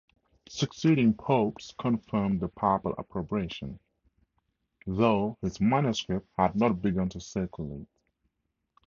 Succeeding popes confirmed the papal approbation, though his manuscripts had not begun to circulate.